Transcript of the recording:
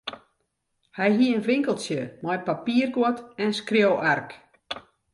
Hy hie in winkeltsje mei papierguod en skriuwark.